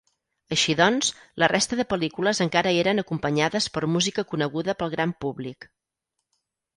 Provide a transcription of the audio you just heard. Així doncs, la resta de pel·lícules encara eren acompanyades per música coneguda pel gran públic.